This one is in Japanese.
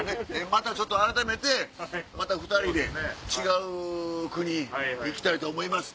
またちょっとあらためてまた２人で違う国行きたいと思います。